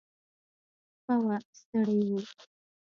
شپه وه ستړي وو.